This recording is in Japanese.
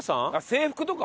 制服とか？